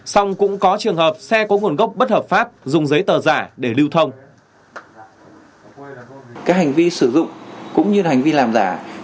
xong cũng có trường hợp xe có nguồn gốc bất hợp pháp dùng giấy tờ giả để lưu thông